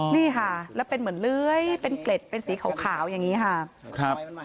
นี่ค่ะแล้วเป็นเหมือนเลื้อยเป็นเกล็ดเป็นสีขาวอย่างนี้ค่ะครับ